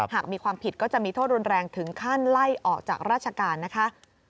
หากมีความผิดก็จะมีโทษรุนแรงถึงขั้นไล่ออกจากราชการนะคะ